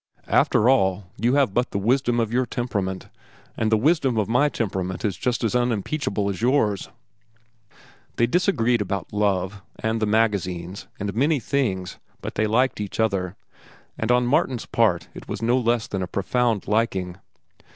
"After all, you have but the wisdom of your temperament, and the wisdom of my temperament is just as unimpeachable as yours." They disagreed about love, and the magazines, and many things, but they liked each other, and on Martin's part it was no less than a profound liking.